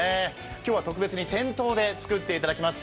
今日は特別に店頭で作っていただきます。